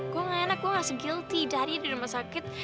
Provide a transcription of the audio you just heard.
gue gak enak gue ngasih gilty dari di rumah sakit